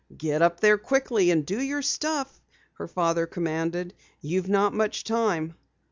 "Get up there quickly and do your stuff!" her father commanded. "You've not much time!"